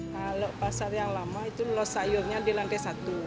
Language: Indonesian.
kalau pasar yang lama itu los sayurnya di lantai satu